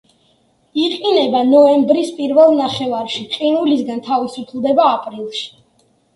იყინება ნოემბრის პირველ ნახევარში, ყინულისგან თავისუფლდება აპრილში.